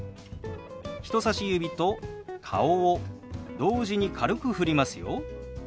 人さし指と顔を同時に軽くふりますよ。